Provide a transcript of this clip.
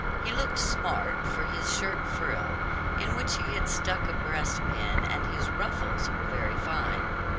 He looked smart, for his shirt frill, in which he had stuck a breast pin, and his ruffles, were very fine.